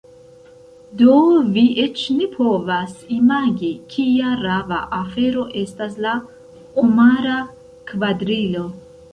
Do vi eĉ ne povas imagi, kia rava afero estas la Omara Kvadrilo.